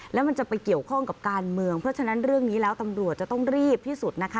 แล้วมันจะไปเกี่ยวข้องกับการเมืองเพราะฉะนั้นเรื่องนี้แล้วตำรวจจะต้องรีบที่สุดนะคะ